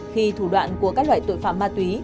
khi thủ đoạn của các loại tội phạm ma túy